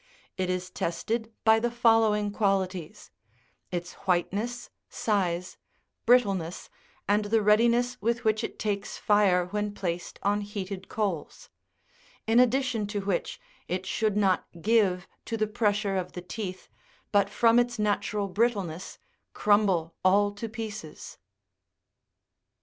13 It is tested by the following qua lities ; its whiteness, size, brittleness, and the readiness with which it takes fire when placed on heated coals ; in addition to which, it should not give to the pressure of the teeth, but from its natural brittleness crumble all to pieces.